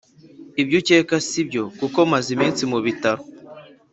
Ibyucyeka sibyo kuko maze iminsi mubitaro